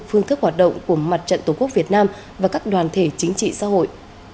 phương thức hoạt động của mặt trận tổ quốc việt nam và các đoàn thể chính trị xã hội